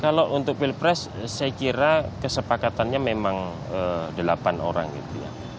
kalau untuk pilpres saya kira kesepakatannya memang delapan orang gitu ya